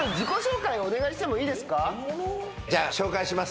じゃあ紹介します。